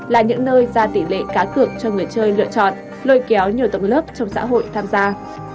các nơi ra tỷ lệ cá cực cho người chơi lựa chọn lôi kéo nhiều tổng lớp trong xã hội tham gia